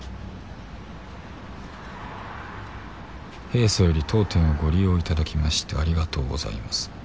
「平素より当店をご利用いただきまして、ありがとうございます。